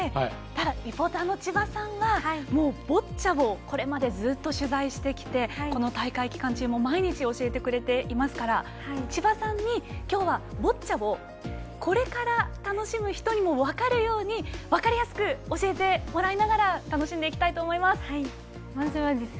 リポーターの千葉さんがもう、ボッチャをこれまでずっと取材してきて大会期間中も毎日教えてくれていますから千葉さんに今日はボッチャをこれから楽しむ人にも分かるように分かりやすく教えてもらいながら楽しんでいきたいと思います。